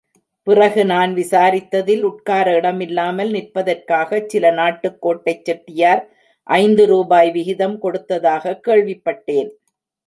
பிறகு நான் விசாரித்ததில் உட்கார இடமில்லாமல் நிற்பதற்காகச் சில நாட்டுக்கோட்டைச் செட்டியார் ஐந்து ரூபாய் விகிதம் கொடுத்ததாகக் கேள்விப்பட்டேன்.